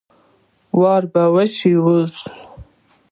واوره به وشي اوس